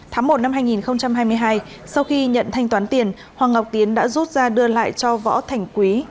tháng một năm hai nghìn hai mươi hai sau khi nhận thanh toán tiền hoàng ngọc tiến đã rút ra đưa lại cho võ thành quý